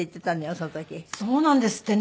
そうなんですってね。